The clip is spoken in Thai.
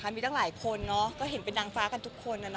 เขาบอกก่อนครับว่าพี่อ้ามเป็นคนเดียว